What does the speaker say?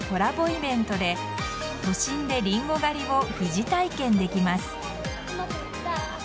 イベントで都心でリンゴ狩りを疑似体験できます。